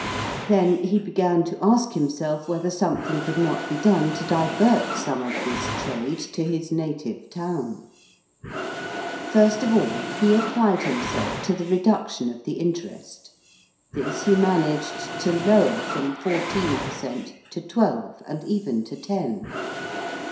Then he began to ask himself whether something could not be done to divert some of this trade to his native town. [Illustration: FIRST ROYAL EXCHANGE.] First of all, he applied himself to the reduction of the interest. This he managed to lower from fourteen per cent. to twelve and even to ten.